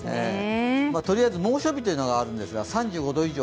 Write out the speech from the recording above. とりあえず猛暑日というのがあるんですが、３５度以上。